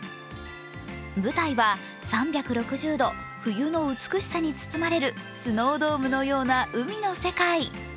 舞台は３６０度冬の美しさに包まれるスノードームのような海の世界。